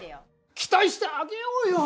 期待してあげようよ。